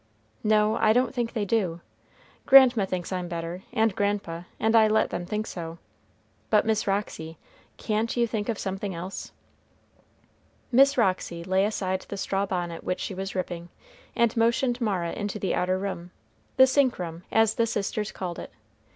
"No, I don't think they do. Grandma thinks I'm better, and grandpa, and I let them think so; but Miss Roxy, can't you think of something else?" Miss Roxy laid aside the straw bonnet which she was ripping, and motioned Mara into the outer room, the sink room, as the sisters called it.